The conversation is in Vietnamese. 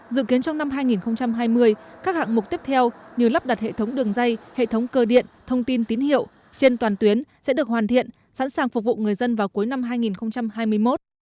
dự kiến trong năm hai nghìn hai mươi các hạng mục tiếp theo như lắp đặt hệ thống đường dây hệ thống cơ điện thông tin tín hiệu trên toàn tuyến sẽ được hoàn thiện sẵn sàng phục vụ người dân vào cuối năm hai nghìn hai mươi một